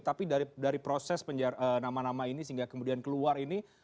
tapi dari proses nama nama ini sehingga kemudian keluar ini